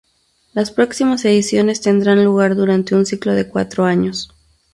Las próximas ediciones tendrán lugar durante un ciclo de cuatro años.